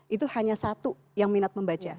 itu hanya satu yang minat membaca